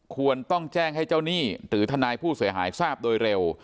ควรต้องแจ้งให้เจ้าหนี้หรือทนายผู้เสียหายทราบโดยเร็ว